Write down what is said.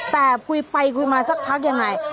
แต่คุยไปคุยมาสักพักยังไง